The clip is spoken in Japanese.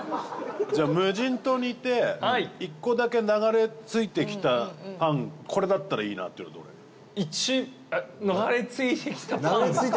じゃあ、無人島にいて１個だけ流れ着いてきたパンこれだったらいいなっていうのは、どれ？流れ着いてきたパンですか？